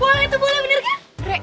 uang itu boleh bener kan